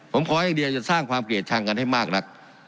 ผมขอให้เฮียจะสร้างความเกลียดชั่งกันให้มากลักษณ์